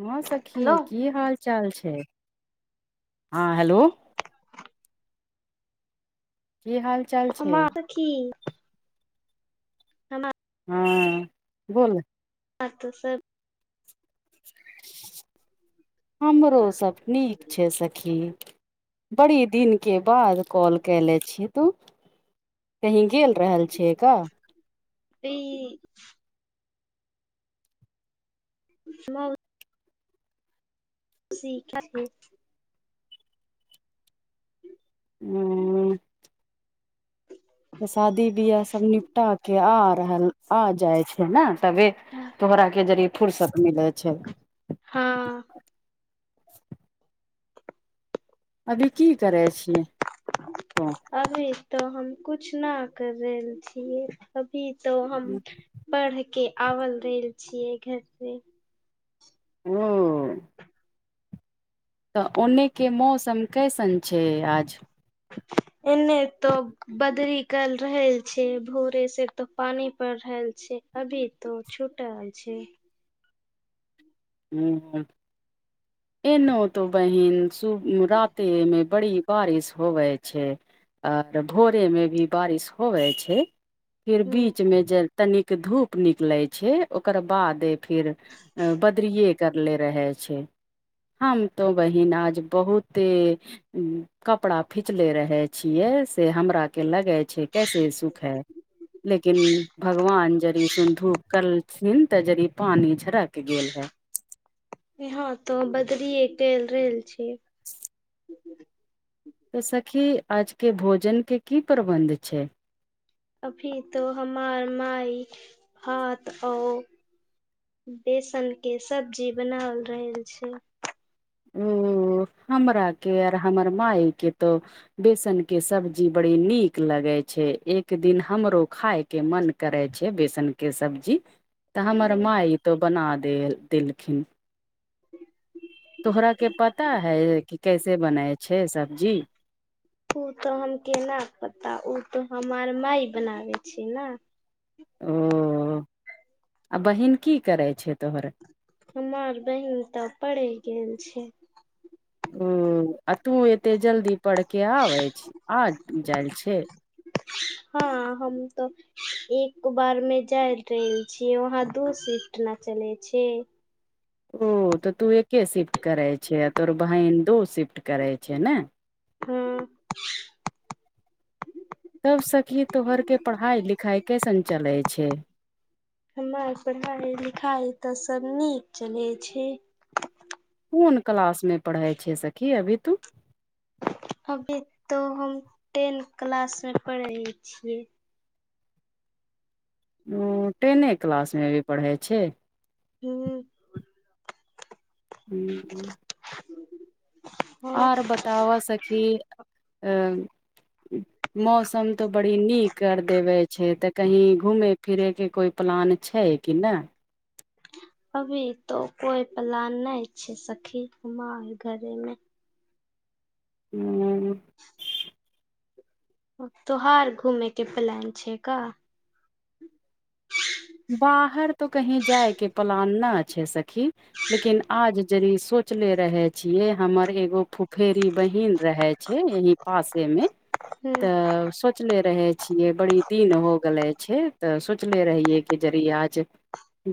हँ हेलो सखी की हाल चाल छै हँ हेलो की हाल चाल छै की ह हँ बोल अ तऽ से हमरो सब नीक छै सखी बड़ी दिनके बाद कॉल कयले छी तू कहीं गेल रहल छियै काऽ ई [unintelligible] सीख [unintelligible] हूँ शादी बियाह सब निपटा के आ रहल आ जाय छै ने तबे तोहरा के जरिये फुर्सत मिलै छै हँ अभी की करै छियै त अभी तो हम कुछ नहि कर रहल छी अभी तो हम बढ़ के आवल रहल छियै घर से ह तऽ ओन्नेके मौसम कैसन छै आज एने तऽ बदरी कल रहल छै भोरे से एक तो पानी पड़ रहल छै अभी तो छोटा छै ह एनो तो बहिन सु रातेमे बड़ी बारिश होवे छै आओर भोरे मे भी बारिश होवे छै फिर ह बीच मे जल तनिक धूप निकले छै ओकर बाद फिर [unintelligible] करले रहे छै हम तो बहिन आज बहुते हूँ कपड़ा फिचले रहै छियै से हमरा के लगै छै कैसे सुखे लेकिन भगवान जड़ सुंधू करलथिन ते जड़ पानी झरक गेल हे यहाँं तो बदरीे केल रहल छी तऽ सखी आजके भोजनके की प्रबन्ध छै अभी तो हमार माय हाथ आओ बेसन के सब्जी बनाल रहल छै ह्म हमरा के यर हमर मायके तऽ बेसन के सब्जी बड़ी नीक लगे छै एक दिन हमरो खाय के मन करै छै बेसन के सब्जी तऽ हमर माय तो बना देल देलखिन तोहरा के पता है कि कैसे बनाय छै सब्जी ओ तऽ हम केना पता उ तऽ हमर माय बनाबै छी ना ओ आ बहिन की करै छै तोहर हमर बहिन ते पड़े गेल छै हूँ आ तू एते जल्दी पढ़ के आबै छी आ जाय छै हँ हम तऽ एक बार मे जाय रहल छी वहाँ दू शिफ्ट ना चले छै ओ तऽ तू एके शिफ्ट करै छै आ तोहर बहिन दो शिफ्ट करै छै ने ह्म सब सखी तोहर के पढ़ाई लिखाई कैसन चले छै हमर पढ़ाई लिखाई तऽ सब नीक चले छै कोन क्लास मे पढ़ै छै सखी अभी तू अभी तो हम टें क्लास मे पढ़े छीये ओ टेने क्लास मे भी पढ़ै छै हू हूँ [unintelligible] ह ओर बताबऽ सखी अ मौसम तऽ बड़ी नीक कर देवे छै तऽ कहीं घूमे फिरेके कोइ प्लान छै कि नहि अभी तो कोई प्लान नहि छै सखी हमार घरेमे हूँ तोहार घूमे के प्लान छै का बाहर तो कही जाय के प्लान ना छै सखी लेकिन आज ज सोचले रहे छियै हमर एगो फ फेरी बहन रहै छै यही पासे मे हूं तऽ स सोचले रहे छियै बड़ी दीन हो गेले छै तऽ सोचले रहिये के जरए आज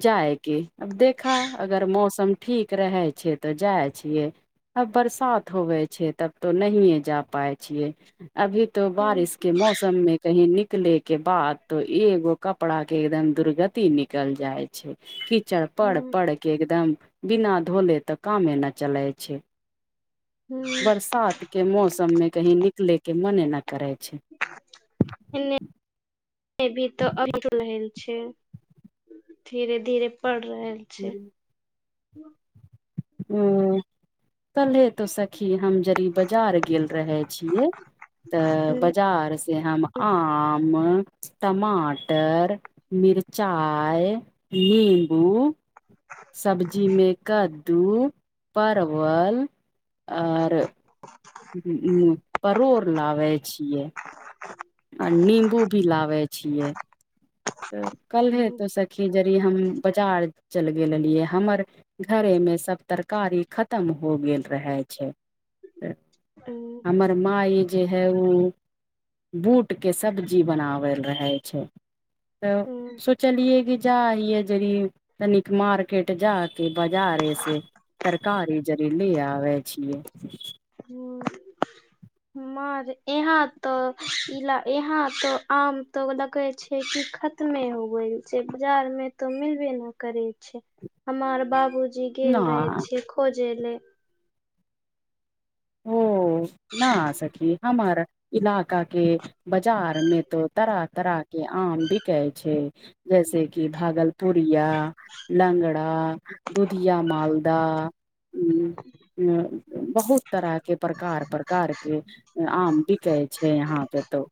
जाएगी अब देखा अगर मौसम ठीक रहै छै तऽ जाइ छियै अब बरसात होवे छै तब तो नहि जा पाय छियै अभी तो हूं बारिश के मौसम में कहीं निकले के बाद तो एगो कपड़ा के एकदम दुर्गति निकल जाइ छै कीचड़ पड़ हूं पड़ के एकदम बिना धोले तऽ कामे नहि चलै छै हूं बरसात के मौसम मे की निकले के मने न करे छै [unintelligible] छ धीरे धीरे पड़ रहल छै हूँ ह कलहे तो सखी हम जदि बाजार गेल रहे छियै तऽ हूं बजार से हम आम टमाटर मिरचाइ नीम्बू सब्जीमे कद टू परवल आ आर परोड़ लाबे छियै [inaudible] आ नम्बू भी लाबे छियै तऽ कल्हे हूं तो सखी जरी हम बाजार चल गेलियै हमर घरे मे सब तरकारी खतम हो गेल रहै छै हूं हमरा माय जे हे उ बूट के सब्जी बनावल रहे छै हूं तऽ चलए कि जा हऐ जे तनीक मार्केट जा के बाजारे से तरकारी जरी ली आबे छिय हू र यहाँ तऽ इ यहाँ तऽ आम तो देखे छै कि खतमे हो गेल छै बाजार मे तो मिलबे न करे छै हमर बाबूजी ना गेल रहे छीय खोजे ले ओ न आ सखी हमार इलाका के बाजार में तो तरह तरह के आम बिके छै जैसे कि भागलपुरिया लंगड़ा दुधिया मालदाह उ बहुत तरह के प्रकार प्रकार के आम बिकै छै यहाँ पे तो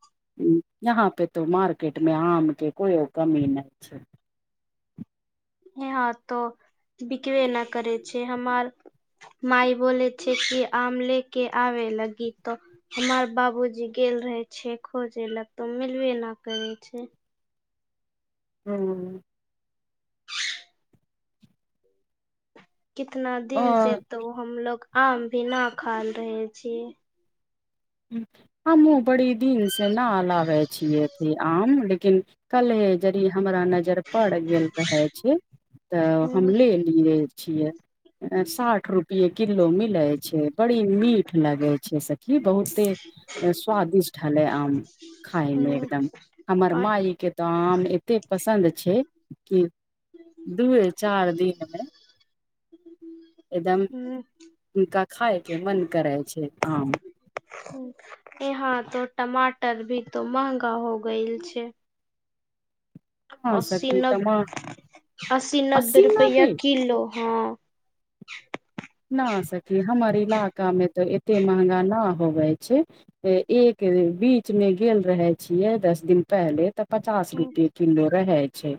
यहाँ पे तो मार्केट मे आम के कोयो कमी नहि छै हँ तऽ बिकबे ना करै छै हमर मइ बोल छै कि आम ले के आबे लगी तऽ हमर बाबूजी गेल रहे छै खोज ए लक तऽ मिलबे न करे छै हूँ कितना दिन से और तो हमलोग आम भी न खायल रहे छी हमू बड़ी दिन से न लबै छियै आम लेकिन कलहे यद हमरा नजर पड़ गेल रहे छै तऽ हम हूँ लेले [unintelligible] साठ रुपे किलो मिले छै बड़ी मीठ लगे छै सखी बहुत एते स्वादिष्ट हले आम खाय मे हूँ एकदम हमर आ माय के तऽ आम एते पसन्द छै कि दूए चार दिन मे हँ एकदम हुनका खााय के मन करै छै आम ह यहाँ तो टमाटर भी तो महगा हो गल छै हँ अस्सी सखी ने टमा अस्सी नब्बे रुपैआ किलो हँ न सकी हमर इलाका मे तऽ एते महगा ना होवे छै एक बीच मे गेल रहे छियै दस दिन पहिले तऽ पचास हूँ रुपे किलो रहै छै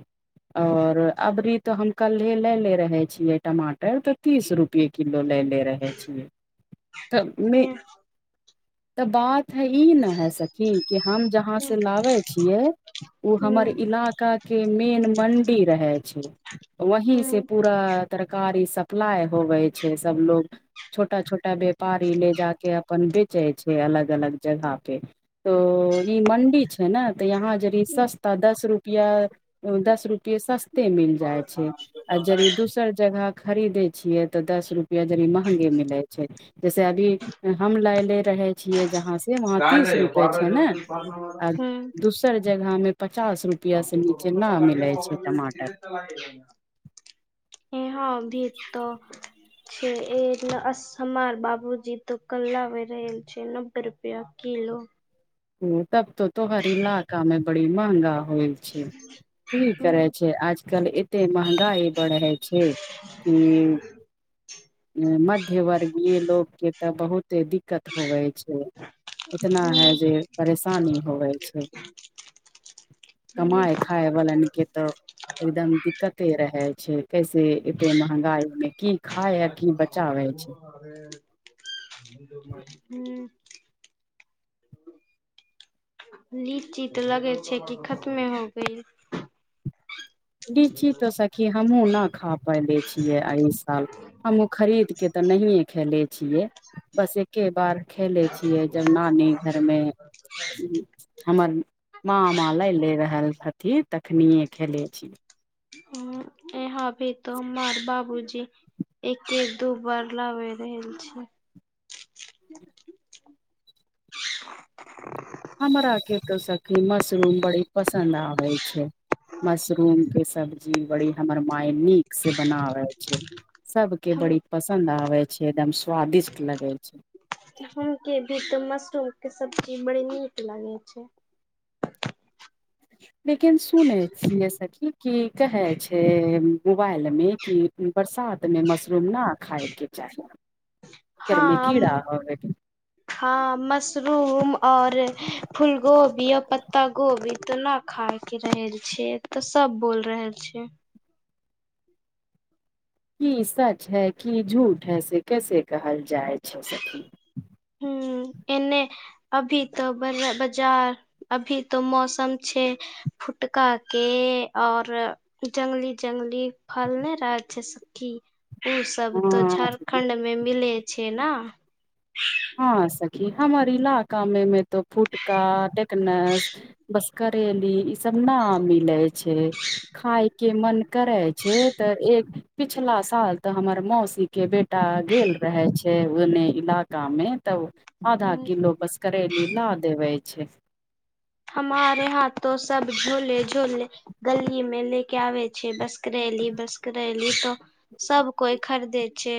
और अबरी तो हम कल्हे ले ले रहे छीये टमाटर त तीस रूपए के किलो ले ले रहे छियै तमे हूँ तऽ बात है ई न है सखी कि हम जहाँ से लाबे छियै ओ हमर हूँ इलाका के मेन मंडी रहै छै वही से हूँ पूरा तरकारी सप्लाइ होबै सब लोग छोटा छोटा व्यापारी ले जाक अपन बेच च छै अलग अलग जगह पे तो ई मंडी छै ने तऽ यहाँ जे हूँ सस्ता दस रुपआ दस रुपे सस्ते मिल जाइ छै आ यद दोसर जगह खरीदे छियै तऽ दस रुपआ यद महंगे मिलैत छै जैसे अभी हम लायले रहे छियै जहाँ से वाहा तीस रूपे छै ने आ हँ दोसर जगह में पचास रुपआ से नीचे न मिले छै टमाटर [unintelligible] ई यहाँ भी तऽ छै असमार बाबूजी त कलाबै रहल छै नब्बे रुपआ किलो ओ तब तो तोहर ईलाका में बड़ी महगा हो छै की हूं करै छै आजकल एते महगाई बढ़ै छै कि मध्य वर्गीय लोग के तऽ बहुते दिक्क दिक्कत होवे छै इतना है जे परेशानी होवे ह [unintelligible] कमाए खाय वलान केेत एकदम दिक्कत एते रहै छै कैसे एते महंगाई मे की खाय आ की बचावै छै [unintelligible] लीची तऽ लगे छै कि खतमे हो गय लीची तो सखी हमहु नहि खा पयले छियै एहि साल हमँहुँ खरीद के तऽ नहिए खेले छियै बस एके बार खेलै छियै जब नानी घर मे हमर माँमा ले ले रहल हथिन तखनि खेले छी यहां भी तऽ हमर बाबूजी एक एक दू बार लाबै रहल छै [inaudible] हमरा के तो सखी मशरूम बड़ी पसन्द आबै छै मशरूम के सब्जी बड़ी हमर माय नीक से बनावै छै सबके हम बड़ी पसन्द आबै छै एकदम स्वादिष्ट लगै छै हम के भी ते मशरूम के सब्जी बड़ी नीक लागै छै लेकिन सुनै छियै सखी कि कहै छै मोबाइल मे कि बरसात मे मशरूम ना खाय के चाही ओकर मे कीड़ा हँ होवे के। हँ मशरूम आ और फूल गो बिय पत्ता गोबीतना खाय के रह छ तऽ सब बोल रहल छ की सच है की झूठ है से कैसे कहल जाइ छै सखी ह एने अभी तऽ ब बजार अभी तऽ मौसम छै फुटका के और जंगली जंगली फल्लें राज्य सखी उ सब त हँ झारखण्ड ठंड मे मीलै छै ना हँ सखी हमर इलाका मे त फुटका टेकनस बस करेली ई सब ना मिलै छै खायके मन करै छै तऽ एक पिछला साल ते हमर मौसी के बेटा गेल रहे छै ओने इला का मे तब आधा किलो बस करेली ला देवै छै हमारे यहां तो सब झोले झोले गली में ले के आबै छै बस करैली बस्करैली तो सब कोइ खरीदे छै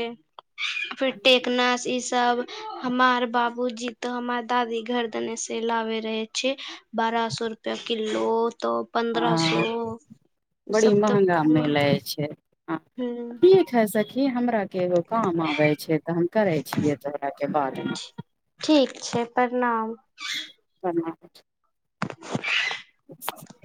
फेर टेकनास ई सब हमार बाबूजी तऽ हमर दादी घर देने से लाबे रहे छैय। बारह सए रुपया किलो तऽ पन्द्रह सौ हँ ओ बड़ी सब त महंगा [unintelligible] हूं। हे सखी हमरा के एगो काम आबे छैय तऽ हम करे छियै तोरा के बादमे ठीक छैय प्रणाम। प्रणाम।